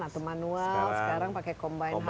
atau manual sekarang pakai combine